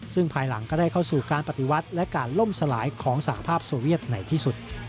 ซึ่งภายหลังก็ได้เข้าสู่การปฏิวัติและการล่มสลายของสหภาพโซเวียตในที่สุด